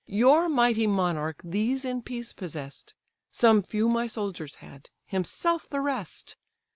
Your mighty monarch these in peace possess'd; Some few my soldiers had, himself the rest.